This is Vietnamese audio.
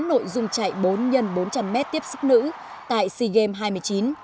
nội dung chạy bốn x bốn trăm linh m tiếp sức nữ tại sea games hai mươi chín